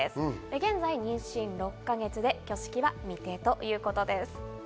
現在妊娠６か月で、挙式は未定ということです。